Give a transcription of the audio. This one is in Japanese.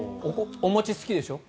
お餅好きでしょ？